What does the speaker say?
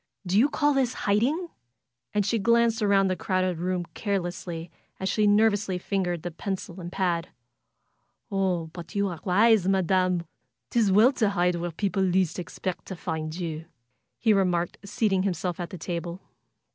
Do you call this hiding?" And she glanced around the crowded room carelessly as she nervously fingered the pencil and pad. ^'Oh, but you are wise. Madam! 'Tis well to hide where people least expect to find you!" he remarked, seating himself at the table.